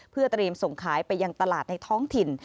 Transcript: เพื่อเตรียมส่งขายไปยังตลาดในท้องถิ่น